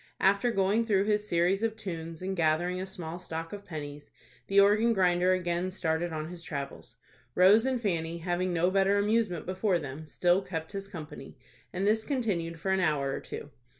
After going through his series of tunes, and gathering a small stock of pennies, the organ grinder again started on his travels. Rose and Fanny, having no better amusement before them, still kept his company, and this continued for an hour or two.